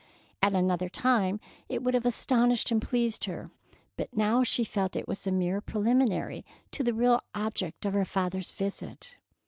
At another time it would have astonished and pleased her, but now she felt it was a mere preliminary to the real object of her father's visit.